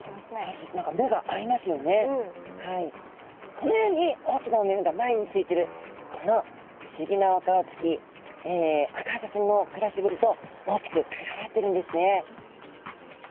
このように大きなお目目が前についてるこの不思議なお顔つきアカハタちゃんの暮らしぶりと大きく関わってるんですね。